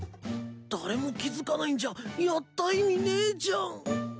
誰も気付かないんじゃやった意味ねえじゃん。